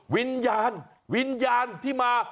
วิญญาณวิญญาณที่มา